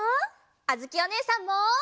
あづきおねえさんも！